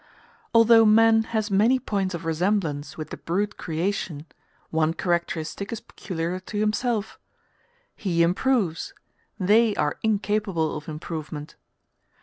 Although man has many points of resemblance with the brute creation, one characteristic is peculiar to himself he improves: they are incapable of improvement.